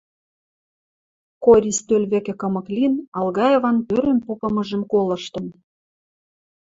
Кори стӧл вӹкӹ кымык лин, Алгаеван тӧрӹм попымыжым колыштын.